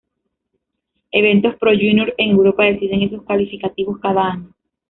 Eventos Pro Junior en Europa deciden esos calificativos cada año.